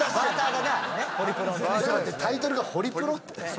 タイトルが「ホリプロ」って。